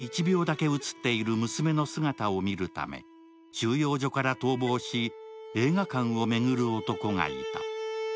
たった１秒だけ映っている娘の姿を見るため収容所から逃亡し映画館を巡る男がいた。